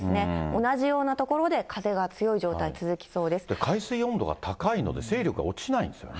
同じような所で風が強い状態、海水温度が高いので勢力が落ちないんですよね。